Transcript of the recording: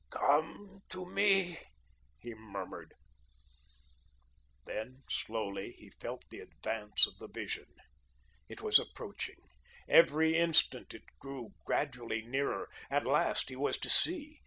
"Come to me," he murmured. Then slowly he felt the advance of the Vision. It was approaching. Every instant it drew gradually nearer. At last, he was to see.